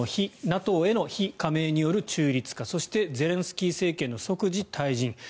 ＮＡＴＯへの非加盟による中立化そしてゼレンスキー政権の即時退陣